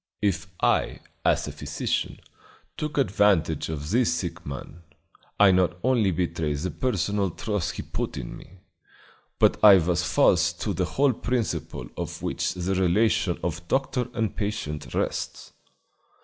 If I, as a physician, took advantage of this sick man, I not only betrayed the personal trust he put in me, but I was false to the whole principle on which the relation of doctor and patient rests.